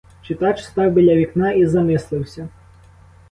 Читач став біля вікна і замислився.